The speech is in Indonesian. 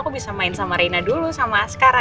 aku bisa main sama rina dulu sama askara